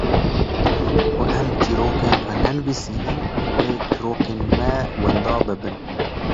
ku em çîrokên xwe nenivîsînin wê çîrokên me wenda bibin.